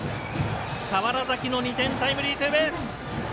川原崎の２点タイムリーツーベース！